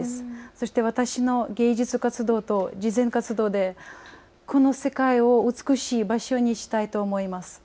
そして私の芸術活動と慈善活動でこの世界を美しい場所にしたいと思います。